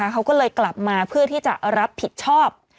เขาก็เลยกลับมาเพื่อที่จะรับผิดชอบ